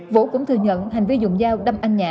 vũ cũng thừa nhận hành vi dùng dao đâm anh nhạ